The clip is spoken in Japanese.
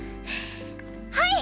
はい！！